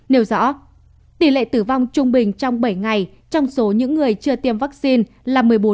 nêu rõ tỷ lệ tử vong trung bình trong bảy ngày trong số những người chưa tiêm vaccine là một mươi bốn